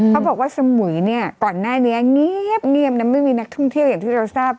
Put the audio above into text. เขาบอกว่าสมุยเนี่ยก่อนหน้านี้เงียบนะไม่มีนักท่องเที่ยวอย่างที่เราทราบ